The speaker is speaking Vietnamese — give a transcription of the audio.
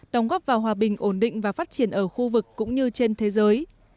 đóng góp vào hòa bình ổn định và phát triển ở khu vực cũng như trên thế giới